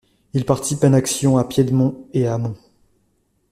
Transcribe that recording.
Il participe à une action à Piedmont et à Mt.